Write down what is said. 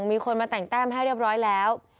มีคนมาแต่งแต้มให้เรียบร้อยแล้ว